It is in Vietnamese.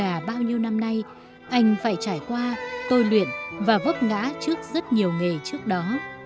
à bao nhiêu năm nay anh phải trải qua tôi luyện và vấp ngã trước rất nhiều nghề trước đó